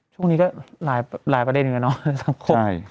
ช่วงนี้ก็หลายประเด็นอยู่แล้วเนาะสังคม